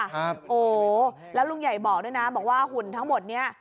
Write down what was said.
โอ้โหแล้วลุงใหญ่บอกด้วยนะบอกว่าหุ่นทั้งหมดนี้